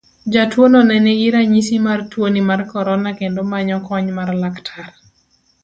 Jatuono ne nigi ranyisi mar tuoni mar korona kendo manyo kony mar laktar.